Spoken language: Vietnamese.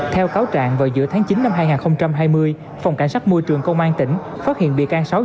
theo cáo trạng vào giữa tháng chín năm hai nghìn hai mươi phòng cảnh sát môi trường công an tỉnh phát hiện bị can sáu